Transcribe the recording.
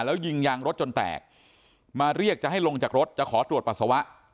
แล้วยิงยางรถจนแตกมาเรียกจะให้ลงจากรถจะขอตรวจปัสสาวะ